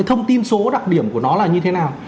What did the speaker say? thông tin số đặc điểm của nó là như thế nào